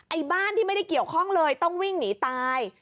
บ้านที่ไม่ได้เกี่ยวข้องเลยต้องวิ่งหนีตาย